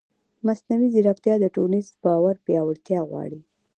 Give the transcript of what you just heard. مصنوعي ځیرکتیا د ټولنیز باور پیاوړتیا غواړي.